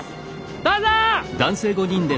どうぞ！